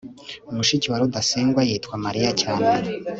mushiki wa rudasingwa yitwa mariya cyane